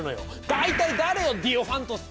大体誰よディオファントスって！